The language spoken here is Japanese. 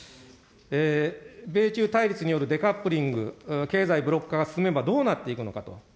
米中対立によるデカップリング、経済ブロック化が進めば、どうなっていくのかと。